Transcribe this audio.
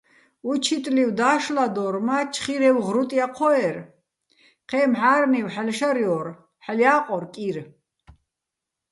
უჩიტლივ და́შლადო́რ, მა́ ჩხირევ ღრუტ ჲაჴო́ერ , ჴეჼ მჵა́რნივ ჰ̦ალო́ შარჲო́რ, ჰ̦ალო̆ ჲა́ყორ კირ.